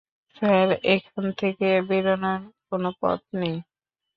Sir, এখান থেকে বেরোনোর কোনো পথ নেই?